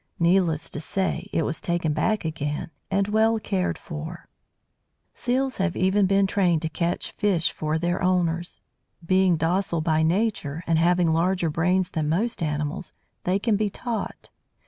Needless to say, it was taken back again, and well cared for. [Illustration: THE SEA ELEPHANT] Seals have even been trained to catch fish for their owners. Being docile by nature, and having larger brains than most animals, they can be taught.